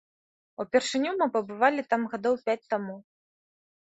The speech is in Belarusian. Упершыню мы пабывалі там гадоў пяць таму.